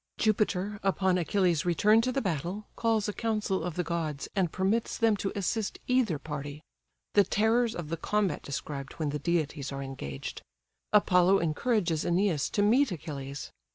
Jupiter, upon Achilles' return to the battle, calls a council of the gods, and permits them to assist either party. The terrors of the combat described, when the deities are engaged. Apollo encourages Æneas to meet Achilles.